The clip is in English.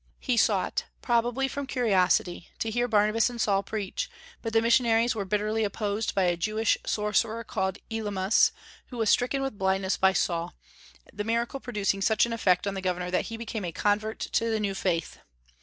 He sought, probably from curiosity, to hear Barnabas and Saul preach; but the missionaries were bitterly opposed by a Jewish sorcerer called Elymas, who was stricken with blindness by Saul, the miracle producing such an effect on the governor that he became a convert to the new faith.